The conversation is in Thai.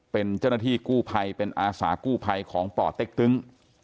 เป็นเจ้าหน้าที่กู้ภัยเป็นอาสากู้ภัยของป่อเต็กตึ้ง